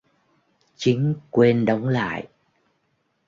Chính quên đóng lại